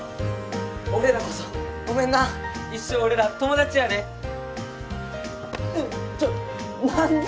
俺らこそごめんな一生俺ら友達やでえっちょなんで？